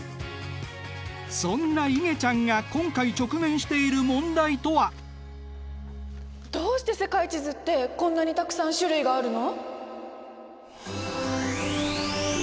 そんないげちゃんが今回直面している問題とは？どうして世界地図ってこんなにたくさん種類があるの！？